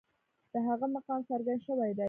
د هغه مقام څرګند شوی دی.